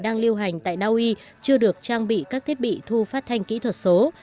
đang lưu hành tại naui chưa được trang bị các thiết bị thu phát thanh kỹ thuật số